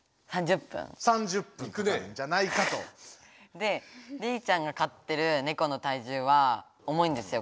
でレイちゃんが飼ってるネコの体重は重いんですよ